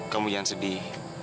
kamu jangan sedih